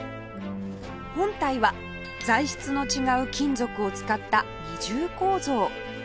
本体は材質の違う金属を使った二重構造